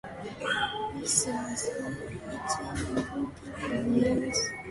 Clisson has its imposing ruins, parts of which date from the thirteenth century.